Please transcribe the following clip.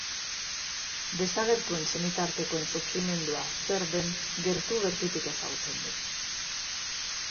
Desagertuen senitartekoen sufrimendua zer den gertu-gertutik ezagutzen du.